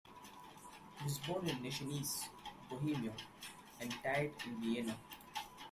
He was born in Nechanice, Bohemia, and died in Vienna.